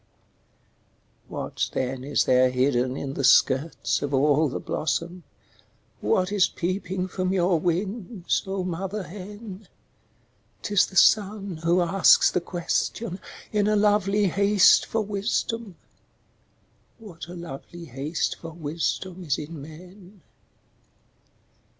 What then is there hidden in the skirts of all the blossom, What is peeping from your wings, oh mother hen? 'T is the sun who asks the question, in a lovely haste for wisdom What a lovely haste for wisdom is in men?